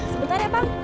sebentar ya pak